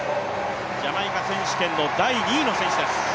ジャマイカ選手権の第２位の選手です。